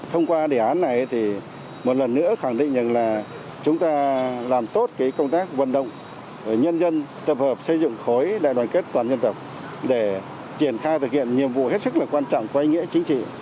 thông qua đề án này thì một lần nữa khẳng định rằng là chúng ta làm tốt cái công tác vận động nhân dân tập hợp xây dựng khối đại đoàn kết toàn dân tộc để triển khai thực hiện nhiệm vụ hết sức là quan trọng của anh nghĩa chính trị